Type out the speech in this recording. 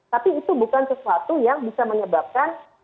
tapi itu bukan sesuatu yang bisa menyebabkan